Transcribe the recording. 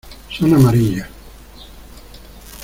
son amarillas.